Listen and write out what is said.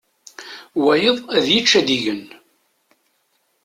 Wayeḍ ad yečč ad igen.